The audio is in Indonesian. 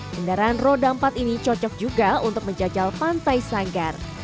kendaraan roda empat ini cocok juga untuk menjajal pantai sanggar